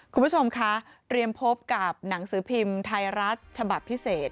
คุณผู้ชมคะเตรียมพบกับหนังสือพิมพ์ไทยรัฐฉบับพิเศษ